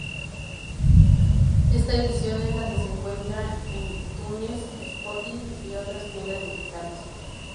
Esta edición es la que se encuentra en iTunes, Spotify, y otras tiendas digitales.